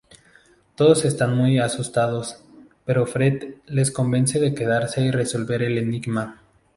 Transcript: Todos están muy asustados, pero Fred les convence de quedarse y resolver el enigma.